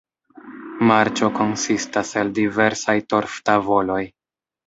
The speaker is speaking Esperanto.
Marĉo konsistas el diversaj torf-tavoloj.